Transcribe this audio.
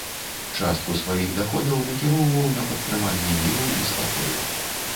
Частку сваіх даходаў накіроўваў на падтрыманне міру і спакою.